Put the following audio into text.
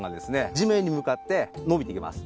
地面に向かってのびていきます